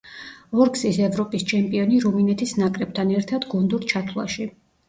ორგზის ევროპის ჩემპიონი რუმინეთის ნაკრებთან ერთად გუნდურ ჩათვლაში.